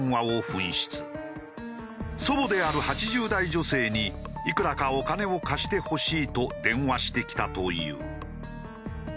祖母である８０代女性にいくらかお金を貸してほしいと電話してきたという。